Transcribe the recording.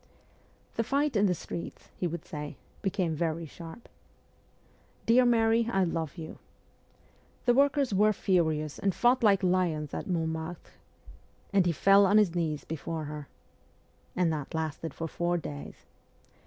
' The fight in the streets,' he would say, ' became very sharp.' ... 'Dear Mary, I love you.' ...' The workers were furious and fought like lions at Montmartre,' ... 'and he fell on his knees before her,' ... 'and that lasted for four days.